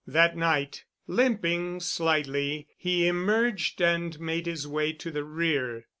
That night, limping slightly, he emerged and made his way to the rear.